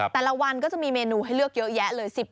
แต่ละวันก็จะมีเมนูให้เลือกเยอะแยะเลย